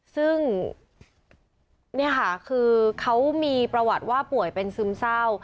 ซึ่งนี่ค่ะคือเขามีประวัติว่าป่วยเป็นซึมเศร้า